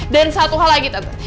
dan satu hal lagi tante